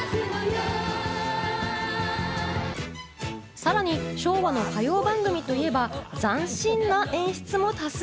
さらに昭和の歌謡番組といえば、斬新な演出も多数。